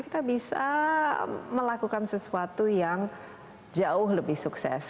kita bisa melakukan sesuatu yang jauh lebih sukses